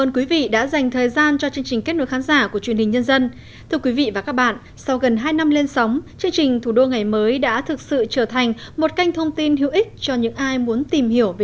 chào mừng quý vị đến với kênh thủ đô ngày mới